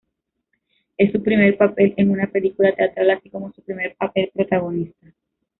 Es su primer papel en una película teatral, así como su primer papel protagonista.